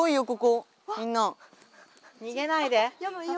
にげないで！